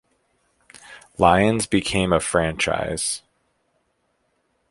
Lions became a franchise.